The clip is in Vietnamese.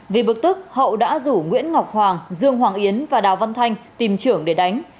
vì bực tức hậu đã rủ nguyễn ngọc hoàng dương hoàng yến và đào văn thanh tìm trưởng để đánh